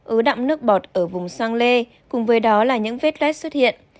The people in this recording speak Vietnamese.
ứ đậm nước bọt ở vùng xoang lê cùng với đó là những vết lét xuất hiện